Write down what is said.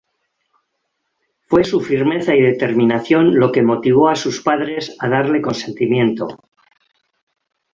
Fue su firmeza y determinación lo que motivó a sus padres a darle consentimiento.